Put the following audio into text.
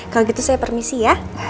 kalau gitu saya permisi ya